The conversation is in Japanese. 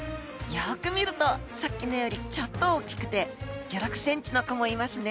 よく見るとさっきのよりちょっと大きくて５６ｃｍの子もいますね。